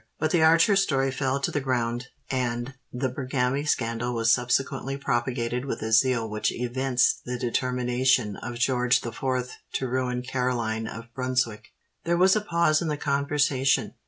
But the Archer story fell to the ground; and the Bergami scandal was subsequently propagated with a zeal which evinced the determination of George the Fourth to ruin Caroline of Brunswick." There was a pause in the conversation.